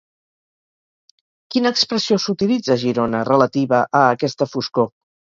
Quina expressió s'utilitza a Girona relativa a aquesta foscor?